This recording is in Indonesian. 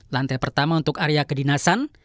lantai pertama untuk area kedinasan